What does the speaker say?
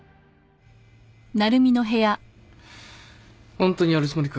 ホントにやるつもりか？